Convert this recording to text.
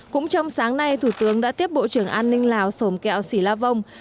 cũng trong sáng nay thủ tướng đã tiếp bộ trưởng an ninh lào sổm kẹo xỉ la vong